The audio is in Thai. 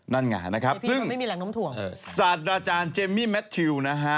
นั่นไงนั่นไงนะครับซึ่งสัตว์อาจารย์เจมมี่แมทิวนะฮะ